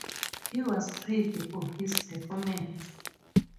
He was praised for his performance.